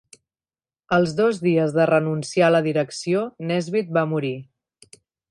Als dos dies de renunciar a la direcció, Nesbitt va morir.